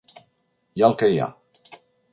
Hi ha el que hi ha.